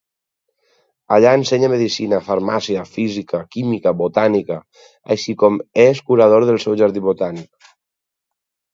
Allà ensenya Medicina, Farmàcia, Física, Química, Botànica, així com és curador del seu Jardí botànic.